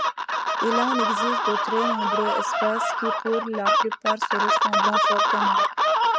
Il en existe de très nombreuses espèces, qui, pour la plupart, se ressemblent fortement.